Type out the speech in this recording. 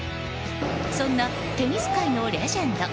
そんなテニス界のレジェンド。